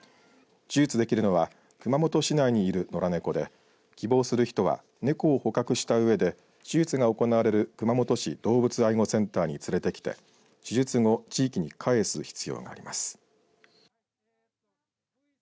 手術できるのは熊本市内にいる野良猫で希望する人は猫を捕獲したうえで手術が行われる熊本市動物愛護センターに連れてきて手術後、地域にかえす必要があります。